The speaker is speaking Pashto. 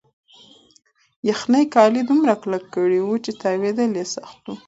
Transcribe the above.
یخنۍ کالي دومره کلک کړي وو چې تاوېدل یې سخت وو.